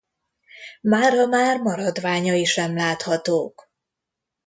Mára már maradványai sem láthatók.